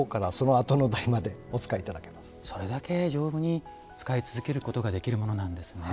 それだけ丈夫に使い続けることができるものなんですね。